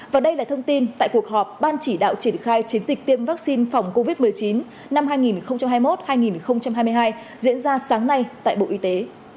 và đây là thông tin tại cuộc họp ban chỉ đạo triển khai chiến dịch tiêm vaccine phòng covid một mươi chín năm hai nghìn hai mươi một hai nghìn hai mươi hai diễn ra sáng nay tại bộ y tế